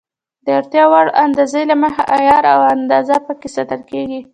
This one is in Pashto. د اړتیا وړ اندازې له مخې عیار او اندازه پکې ساتل کېږي.